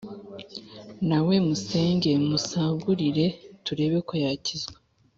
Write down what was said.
Na we musenge, musagurire turebe ko yakizwa